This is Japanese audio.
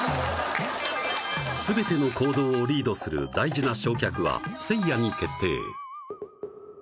全ての行動をリードする大事な正客はせいやに決定